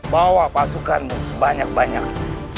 bawa pasukanmu sebanyak banyak